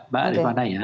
mbak ada mana ya